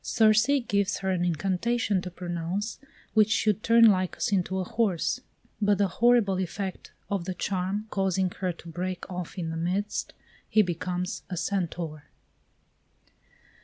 Circe gives her an incantation to pronounce, which should turn Lycus into a horse; but the horrible effect of the charm causing her to break off in the midst, he becomes a Centaur.